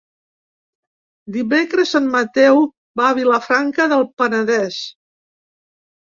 Dimecres en Mateu va a Vilafranca del Penedès.